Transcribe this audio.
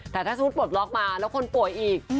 แต่ถ้าสมมุติปลดล็อกมาแล้วคนป่วยอีก